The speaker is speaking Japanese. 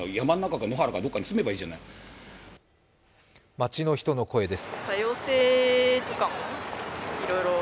街の人の声です。